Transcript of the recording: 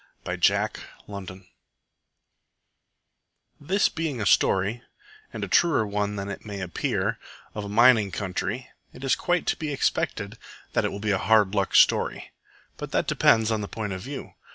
TOO MUCH GOLD This being a story and a truer one than it may appear of a mining country, it is quite to be expected that it will be a hard luck story. But that depends on the point of view.